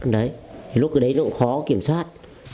đấy lúc đấy nó cũng khó kiểm soát